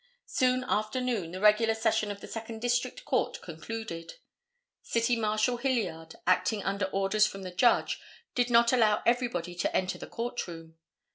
Soon after noon the regular session of the Second District Court concluded. City Marshal Hilliard, acting under orders from the Judge, did not allow everybody to enter the court room.